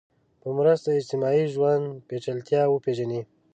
په مرسته اجتماعي ژوند پېچلتیا وپېژنو